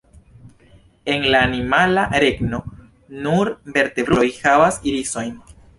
En la animala regno, nur vertebruloj havas irisojn.